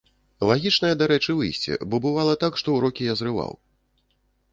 Лагічнае, дарэчы, выйсце, бо бывала так, што ўрокі я зрываў.